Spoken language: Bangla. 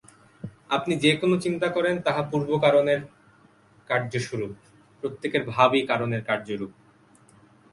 আপনি যে-কোন চিন্তা করেন, তাহা পূর্ব কারণের কার্যস্বরূপ, প্রত্যেক ভাবই কারণের কার্য-রূপ।